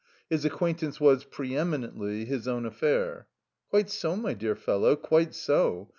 His acquaintance was, pre eminently, his own affair. "Quite so, my dear fellow, quite so.